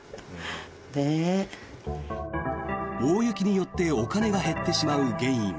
大雪によってお金が減ってしまう原因。